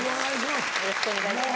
よろしくお願いします。